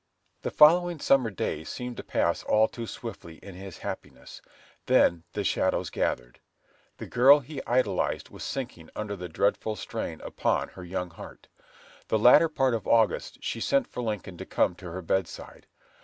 The following summer days seemed to pass all too swiftly in his happiness. Then the shadows gathered. The girl he idolized was sinking under the dreadful strain upon her young heart. The latter part of August she sent for Lincoln to come to her bedside.